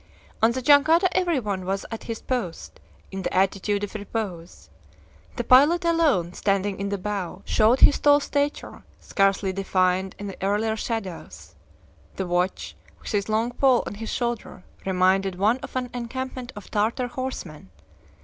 On the jangada every one was at his post, in the attitude of repose. The pilot alone, standing in the bow, showed his tall stature, scarcely defined in the earlier shadows. The watch, with his long pole on his shoulder, reminded one of an encampment of Tartar horsemen.